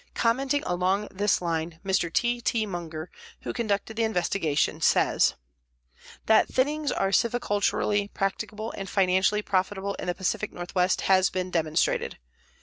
Commenting along this line Mr. T. T. Munger, who conducted the investigation, says: "That thinnings are silviculturally practicable and financially profitable in the Pacific Northwest has been demonstrated.